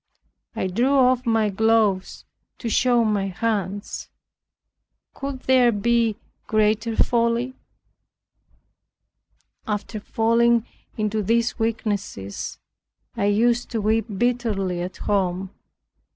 I drew off my gloves to show my hands. Could there be greater folly? After falling into these weaknesses, I used to weep bitterly at home.